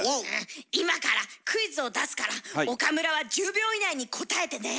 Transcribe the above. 今からクイズを出すから岡村は１０秒以内に答えてね。